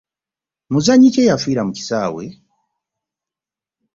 Muzannyi ki eyafiira mu kisaawe?